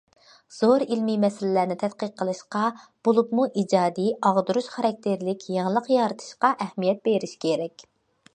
زور ئىلمىي مەسىلىلەرنى تەتقىق قىلىشقا، بولۇپمۇ ئىجادىي، ئاغدۇرۇش خاراكتېرلىك يېڭىلىق يارىتىشقا ئەھمىيەت بېرىش كېرەك.